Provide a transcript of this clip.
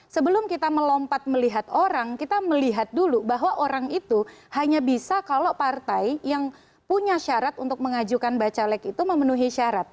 sebelum kita melompat melihat orang kita melihat dulu bahwa orang itu hanya bisa kalau partai yang punya syarat untuk mengajukan bacalek itu memenuhi syarat